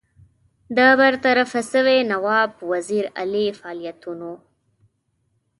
د برطرفه سوي نواب وزیر علي فعالیتونو.